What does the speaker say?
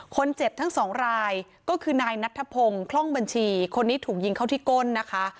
คนเจ็บทั้งสองรายก็คือนายนัทธพงศ์คล่องบัญชีคนนี้ถูกยิงเข้าที่ก้นนะคะ